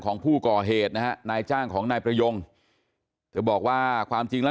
ของผู้ก่อเหตุนะฮะนายจ้างของนายประยงเธอบอกว่าความจริงแล้ว